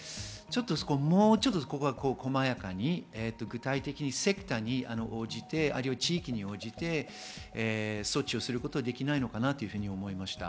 もっと細やかに具体的にセクターに応じて、地域に応じて措置をすることはできないのかなと思いました。